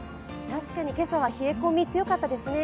確かに今朝は冷え込み強かったですね。